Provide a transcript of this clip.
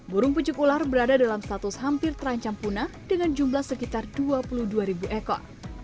burung pucuk ular berada dalam status hampir terancam punah dengan jumlah sekitar dua puluh dua ribu ekor